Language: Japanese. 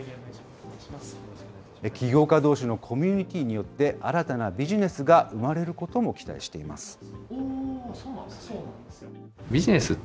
起業家どうしのコミュニティーによって、新たなビジネスが生まれることも期待しています。